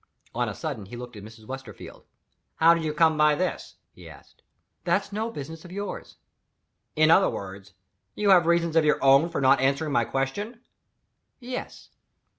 On a sudden he looked at Mrs. Westerfield. "How did you come by this?" he asked. "That's no business of yours." "In other words, you have reasons of your own for not answering my question?" "Yes."